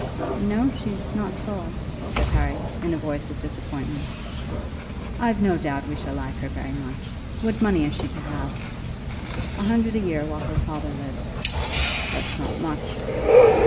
"No; she's not tall," said Harry, in a voice of disappointment. "I've no doubt we shall like her very much. What money is she to have?" "A hundred a year while her father lives." "That's not much."